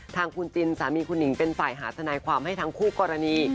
ทางคุณจินสามีคุณหนิงเป็นฝ่ายหาทนายความให้ทั้งคู่กรณี